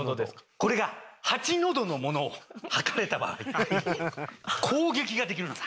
これが８のどのものを測れた場合攻撃ができるのだ。